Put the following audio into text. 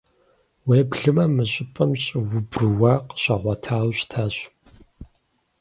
Уеблэмэ, мы щӀыпӀэм щӀы убрууа къыщагъуэтауэ щытащ.